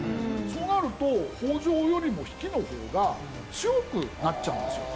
そうなると北条よりも比企の方が強くなっちゃうんですよ。